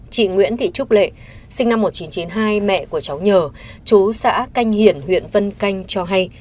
chị nguyễn thị trúc lệ sinh năm một nghìn chín trăm chín mươi hai mẹ của cháu nhờ chú xã canh hiển huyện vân canh cho hay